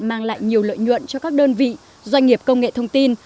mang lại nhiều lợi nhuận cho các đơn vị doanh nghiệp công nghệ thông tin